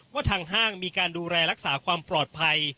ทางห้างมีการดูแลรักษาความปลอดภัย